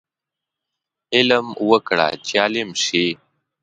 علم وکړه چې عالم شې